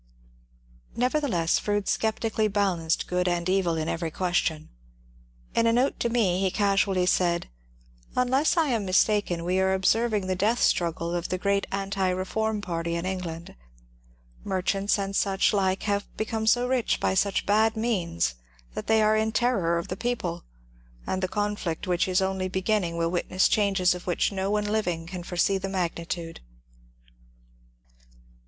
Nevertheless Froude sceptically balanced the good and evil in every question. In a note to me he casually said :— Unless I am mistaken, we are observing the death struggle of the great Anti Reform party in England. Merchants and such like have become so rich by such bad means that they are in terror of the people, — and the conflict which is only begmning wiU witnelT changes of which no one Uving JL foresee the magnitude.